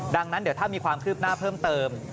ดังนั้นเดี๋ยวถ้ามีความคืบหน้าเพิ่มเติม